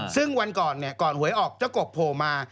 ซึ่งวันก่อนก่อนหวยออกเจ้ากบโผล่มา